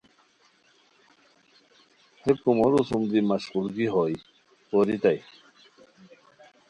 ہے کومورو سوم دی مشقولگی ہوئے، پوریتائے